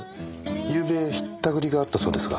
ゆうべひったくりがあったそうですが。